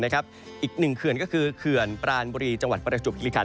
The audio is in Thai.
อีกหนึ่งเขื่อนก็คือเขื่อนปรานบุรีจังหวัดประจวบคิริคัน